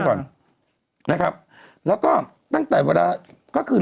มวดปัจจุบันก่อน